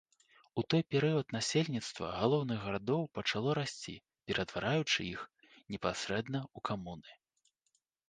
У той перыяд насельніцтва галоўных гарадоў пачало расці, ператвараючы іх непасрэдна ў камуны.